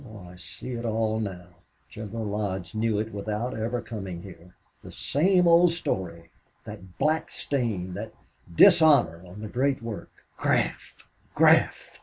Oh, I see it all now! General Lodge knew it without ever coming here. The same old story! That black stain that dishonor on the great work!